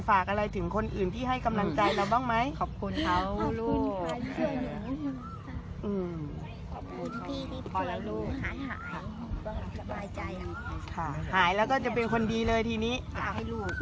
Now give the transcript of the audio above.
ไปฝากอะไรถึงคนอื่นที่ให้กำลังใจเราบ้างไหมขอบคุณเขาขอบคุณพี่ที่ช่วยลูกอืมขอบคุณพี่ที่ช่วยลูกหายหายแล้วก็จะเป็นคนดีเลยทีนี้อยากให้ลูก